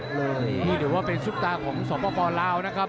นี่เดี๋ยวว่าเป็นซูเปอร์สตาร์ของสปลาวนะครับ